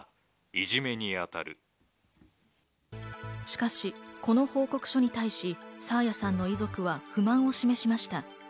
しかし、この報告書に対し、爽彩さんの遺族は不満を示しました。